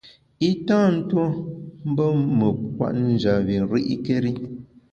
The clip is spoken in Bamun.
I tâ tuo mbù me kwet njap bi ri’kéri.